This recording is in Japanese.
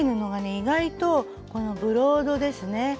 意外とこのブロードですね。